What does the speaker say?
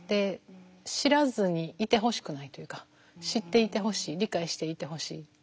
知らずにいてほしくないというか知っていてほしい理解していてほしい。